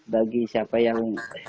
bagi siapa yang